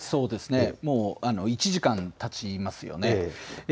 もう１時間たちますよね。